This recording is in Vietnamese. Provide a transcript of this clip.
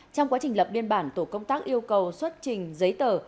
trong quá trình lập biên bản tổ công tác yêu cầu xuất trình giấy tờ